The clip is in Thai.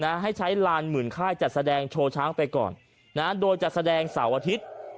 ให้ใช้ลานหมื่นค่ายจัดแสดงโชว์ช้างไปก่อนนะโดยจะแสดงเสาร์อาทิตย์